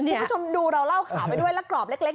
คุณผู้ชมดูเราเล่าข่าวไปด้วยแล้วกรอบเล็ก